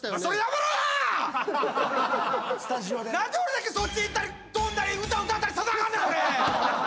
何で俺だけそっち行ったり跳んだり歌歌ったりせなあかんねん！